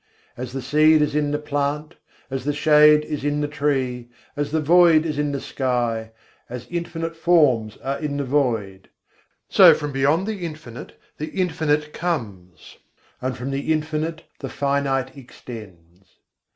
As the seed is in the plant, as the shade is in the tree, as the void is in the sky, as infinite forms are in the void So from beyond the Infinite, the Infinite comes; and from the Infinite the finite extends.